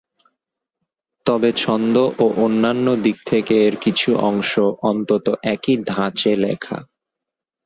তবে ছন্দ ও অন্যান্য দিক থেকে এর কিছু অংশ অন্তত একই ধাঁচে লেখা।